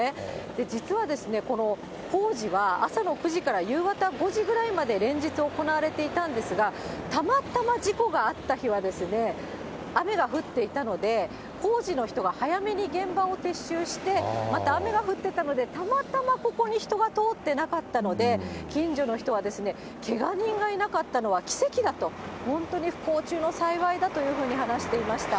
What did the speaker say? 実は、この工事は、朝の９時から夕方５時ぐらいまで、連日、行われていたんですが、たまたま事故があった日は、雨が降っていたので、工事の人が早めに現場を撤収して、また雨が降ってたので、たまたまここに人が通ってなかったので、近所の人は、けが人がいなかったのは奇跡だと、本当に不幸中の幸いだというふうに話していました。